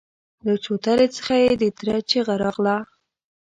له چوترې څخه يې د تره چيغه راغله!